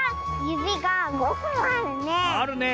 ゆびが５ほんあるね。